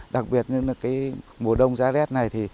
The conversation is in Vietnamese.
đặc biệt là mùa đông giá rét này